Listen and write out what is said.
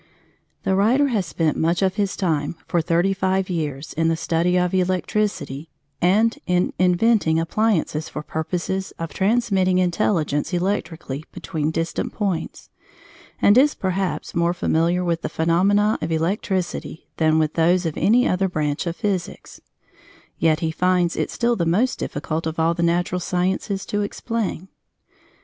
The writer has spent much of his time for thirty five years in the study of electricity and in inventing appliances for purposes of transmitting intelligence electrically between distant points, and is perhaps more familiar with the phenomena of electricity than with those of any other branch of physics; yet he finds it still the most difficult of all the natural sciences to explain.